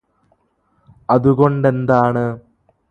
അതുകൊണ്ടെന്താണ്